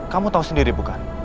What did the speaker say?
kamu tahu sendiri bukan